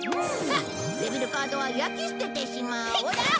さあデビルカードは焼き捨ててしまおう！